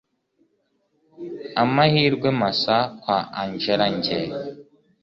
amahirwe masa kwa angella njye